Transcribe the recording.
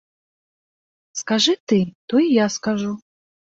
Скажы ты, то і я скажу!